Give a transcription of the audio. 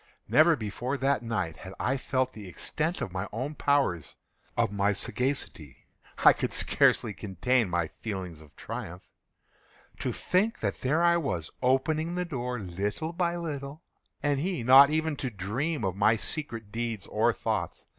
Never before that night had I felt the extent of my own powers—of my sagacity. I could scarcely contain my feelings of triumph. To think that there I was, opening the door, little by little, and he not even to dream of my secret deeds or thoughts.